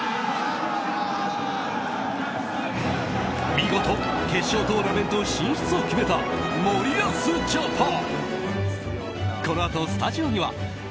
見事、決勝トーナメント進出を決めた森保ジャパン。